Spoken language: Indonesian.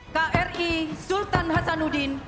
kri sultan hasanuddin